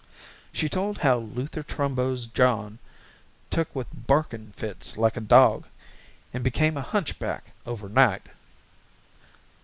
She told how Luther Trumbo's John took with barking fits like a dog and became a hunchback over night.